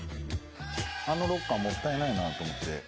あのロッカーもったいないなと思って。